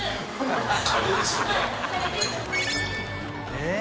えっ！